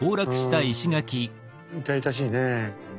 痛々しいね。